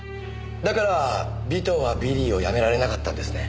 だから尾藤はビリーをやめられなかったんですね。